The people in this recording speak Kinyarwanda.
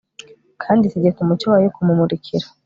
kandi itegeka umucyo wayo kumumurikira